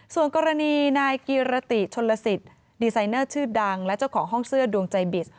ส่วนกรณีนายกีรติชนลสิทธิ์ดีไซเนอร์ชื่อดังและเจ้าของห้องเสื้อดวงใจบิส